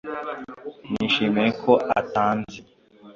nishimiye ko atanzi.